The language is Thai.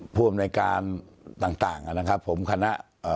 ผู้อำนวยการต่างนะครับผมคณะ